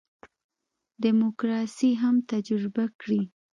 دیموکراسي هم تجربه کړي.